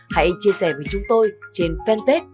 hãy chia sẻ với chúng tôi trên fanpage